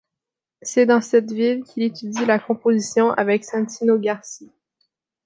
C'est dans cette ville qu'il étudie la composition avec Santino Garsi.